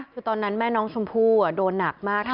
คือตอนนั้นแม่น้องชมพู่โดนหนักมาก